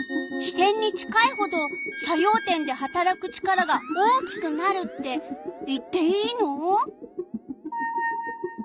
支点に近いほど作用点ではたらく力が大きくなるって言っていいの？